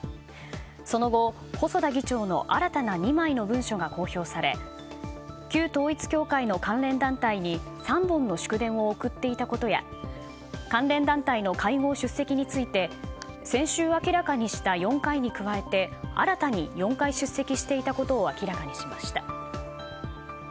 その後、細田議長の新たな２枚の文書が公表され旧統一教会の関連団体に３本の祝電を送っていたことや関連団体の会合出席について先週明らかにした４回に加えて新たに４回出席していたことを明らかにしました。